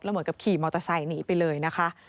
เหมือนกับขี่มอเตอร์ไซค์หนีไปเลยนะคะ